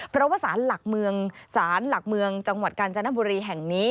เพราะว่าสารหลักเมืองศาลหลักเมืองจังหวัดกาญจนบุรีแห่งนี้